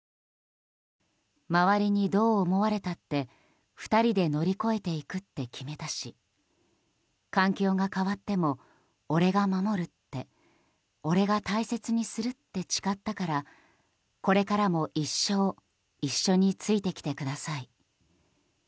周りにどう思われたって２人で乗り越えていくって決めたし環境が変わっても俺が守るって俺が大切にするって誓ったからこれからも一生一緒についてきてください。